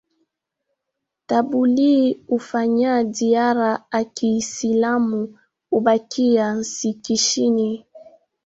Ntabulii hufanya dhiara akiisilamu hubakia nsikichini.